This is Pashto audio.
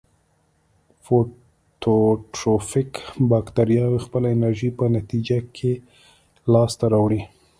فوتوټروفیک باکتریاوې خپله انرژي په نتیجه کې لاس ته راوړي.